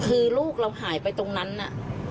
คือลูกเราหายไปตรงนั้นน่ะ